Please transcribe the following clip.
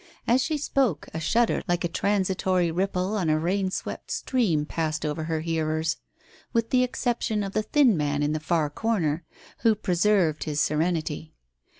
As she spoke, a shudder like a transitory ripple on a rain swept stream passed over her hearers, with the exception of the thin man in the far corner, who preserved his serenity.